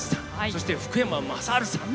そして、福山雅治さん。